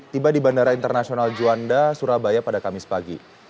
tiba di bandara internasional juanda surabaya pada kamis pagi